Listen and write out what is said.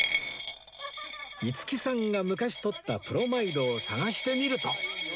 五木さんが昔撮ったプロマイドを探してみると